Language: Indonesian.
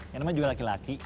yang namanya juga laki laki